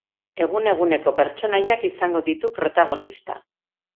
Egun-eguneko pertsonaiak izango ditu protagonista.